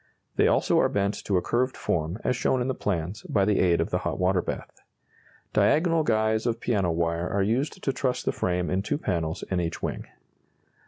They also are bent to a curved form, as shown in the plans, by the aid of the hot water bath. Diagonal guys of piano wire are used to truss the frame in two panels in each wing.